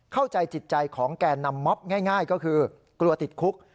เข้าใจจิตใจของแก่นำม็อบง่ายก็คือกลัวติดคุก